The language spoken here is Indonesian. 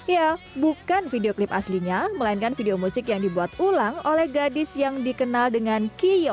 ya bukan video klip aslinya melainkan video musik yang dibuat ulang oleh gadis yang dikenal dengan kiyo